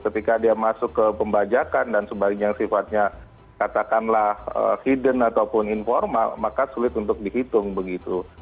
ketika dia masuk ke pembajakan dan sebagainya yang sifatnya katakanlah hidden ataupun informal maka sulit untuk dihitung begitu